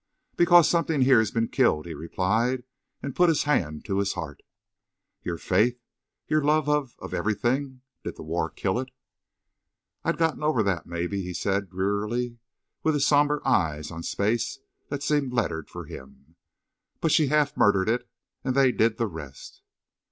"Because something here's been killed," he replied, and put his hand to his heart. "Your faith? Your love of—of everything? Did the war kill it?" "I'd gotten over that, maybe," he said, drearily, with his somber eyes on space that seemed lettered for him. "But she half murdered it—and they did the rest."